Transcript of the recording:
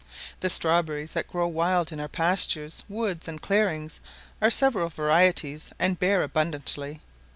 The strawberries that grow wild in our pastures, woods, and clearings, are several varieties, and bear abundantly.